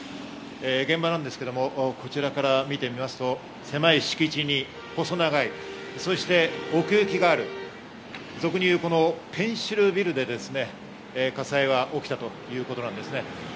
現場はこちらから見てみますと狭い敷地に細長い、そして奥行きがある、俗に言うペンシルビルで火災は起きたということなんです。